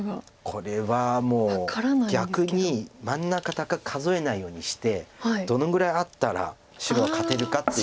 これはもう逆に真ん中だけ数えないようにしてどのぐらいあったら白は勝てるかって。